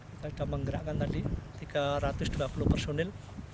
kita sudah menggerakkan tadi tiga ratus dua puluh personil